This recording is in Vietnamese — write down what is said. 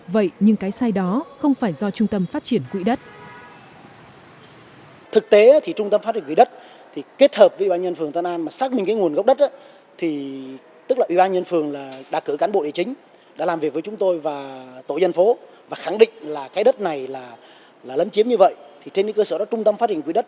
vậy nhưng cái sai đó không phải do trung tâm phát triển quỹ đất